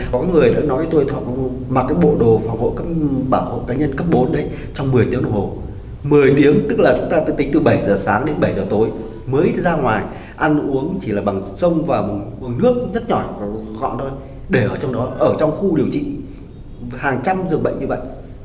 có người đã nói với tôi mặc cái bộ đồ phòng hộ cá nhân cấp bốn trong một mươi tiếng đồng hồ một mươi tiếng tức là chúng ta tính từ bảy giờ sáng đến bảy giờ tối mới ra ngoài ăn uống chỉ là bằng sông và một nguồn nước rất nhỏ và gọn thôi để ở trong đó ở trong khu điều trị hàng trăm dường bệnh như vậy